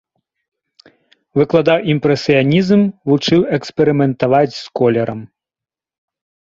Выкладаў імпрэсіянізм, вучыў эксперыментаваць з колерам.